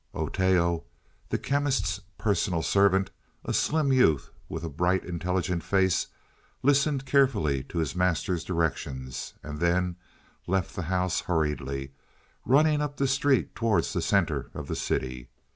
Oteo, the Chemist's personal servant, a slim youth with a bright, intelligent face, listened carefully to his master's directions and then left the house hurriedly, running up the street towards the center of the city.